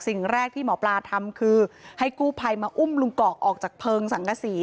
สิ่งแรกที่หมอปลาทำคือให้กู้ภัยมาอุ้มลุงกอกออกจากเพลิงสังกษี